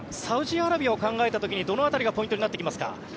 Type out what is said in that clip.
サウジアラビアを考えたときどの辺りがポイントになってきますか？